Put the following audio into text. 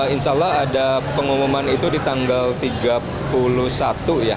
insya allah ada pengumuman itu di tanggal tiga puluh satu ya